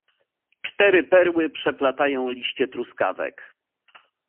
"Cztery perły przeplatają liście truskawek."